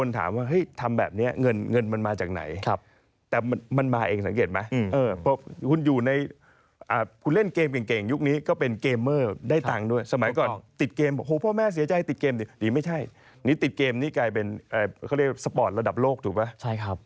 ใช่ครับมีหลักสูตรเปิดซ้อนด้วยทำเงินได้ด้วย